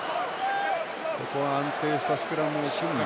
ここは安定したスクラムを組んで。